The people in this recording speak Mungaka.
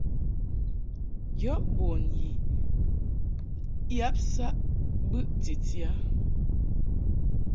Yɔ bun yi yab saʼ bɨʼ titi a.